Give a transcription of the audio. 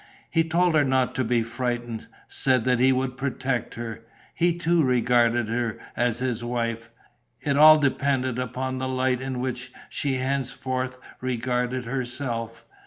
He told her not to be frightened, said that he would protect her. He too regarded her as his wife. It all depended upon the light in which she henceforth regarded herself.